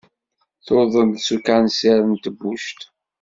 Tuḍen s ukansir n tebbuct.